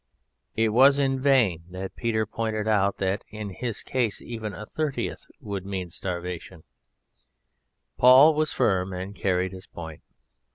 It was in vain that Peter pointed out that, in his case, even a thirtieth would mean starvation; Paul was firm and carried his point.